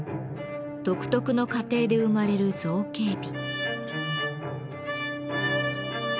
独特の過程で生まれる造形美。